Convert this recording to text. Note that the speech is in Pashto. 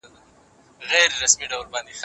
يو ساعت شپېته دقيقې کيږي.